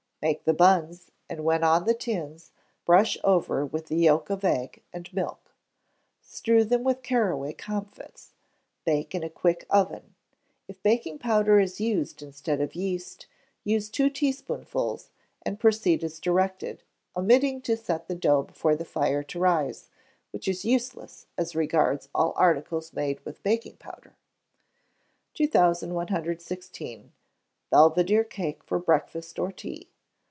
Make the buns, and when on the tins, brush over with the yolk of egg and milk; strew them with caraway comfits; bake in a quick oven. If baking powder is used instead of yeast, use two teaspoonfuls, and proceed as directed, omitting to set the dough before the fire to rise, which is useless as regards all articles made with baking powder. 2116. Belvidere Cake for Breakfast or Tea.